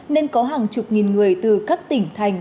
nên có hàng chục nghìn người từ các tỉnh thành